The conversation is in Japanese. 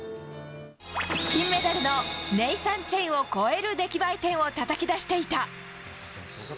金メダルのネイサン・チェンを超える出来栄え点をたたき出していた。